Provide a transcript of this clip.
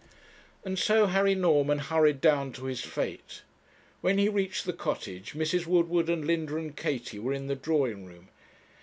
And so Harry Norman hurried down to his fate. When he reached the Cottage, Mrs. Woodward and Linda and Katie were in the drawing room.